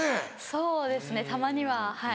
そうですねたまにははい。